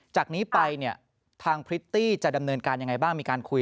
จากนี้ไปเนี่ยทางพริตตี้จะดำเนินการยังไงบ้างมีการคุย